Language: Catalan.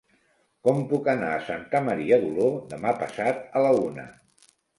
Com puc anar a Santa Maria d'Oló demà passat a la una?